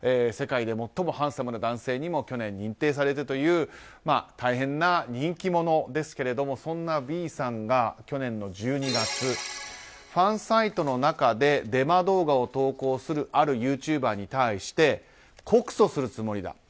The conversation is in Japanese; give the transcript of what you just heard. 世界で最もハンサムな男性にも去年認定されたという大変な人気者ですけどもそんなＶさんが去年の１２月ファンサイトの中でデマ動画を投稿するあるユーチューバーに対して告訴するつもりだ。